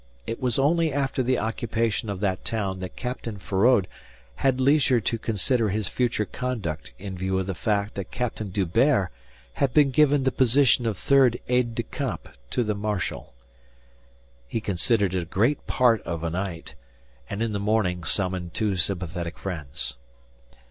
It was only after the occupation of that town that Captain Feraud had leisure to consider his future conduct in view of the fact that Captain D'Hubert had been given the position of third aide de camp to the marshal. He considered it a great part of a night, and in the morning summoned two sympathetic friends.